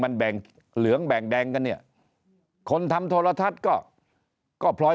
มันแบ่งเหลืองแบ่งแดงกันเนี่ยคนทำโทรทัศน์ก็ก็พลอย